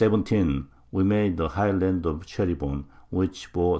_ We made the high Land of Cheribon, which bore S.